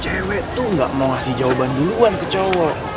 cewek tuh gak mau ngasih jawaban duluan ke cowok